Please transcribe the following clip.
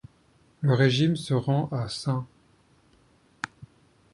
Le régiment se rend à St.